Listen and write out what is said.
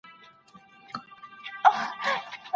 دا ګونګی سړی تر بل هغه د ږیري سره ډېري مڼې خوري.